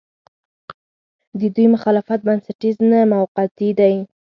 د دوی مخالفت بنسټیز نه، موقعتي دی.